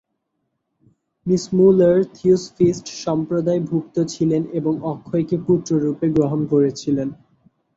Miss Muller theosophist সম্প্রদায়ভুক্ত ছিলেন এবং অক্ষয়কে পুত্ররূপে গ্রহণ করেছিলেন।